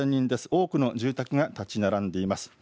多くの住宅が建ち並んでいます。